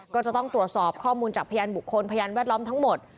ก็จะต้องตรวจสอบข้อมูลจากพยานบุคคลพยานแวดล้อมทั้งหมด